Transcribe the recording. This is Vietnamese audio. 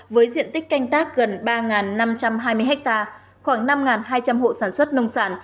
với diện tích canh tác gần ba năm trăm hai mươi ha khoảng năm hai trăm linh hộ sản xuất nông sản